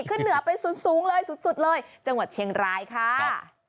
ขึ้นเหนือไปสุดสูงเลยสุดเลยจังหวัดเชียงรายค่ะ